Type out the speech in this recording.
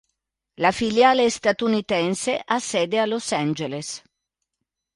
La filiale statunitense ha sede a Los Angeles.